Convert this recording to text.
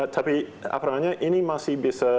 tapi apatahanya ini masih bisa